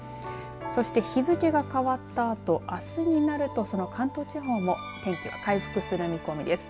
そして日付が変わったあとあすになるとその関東地方も天気は回復する見込みです。